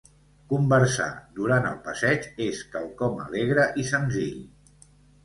Conversar durant el passeig és quelcom alegre i senzill.